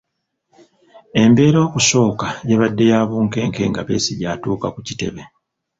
Embeera okusooka yabadde ya bunkenke nga Besigye atuuka ku kitebe.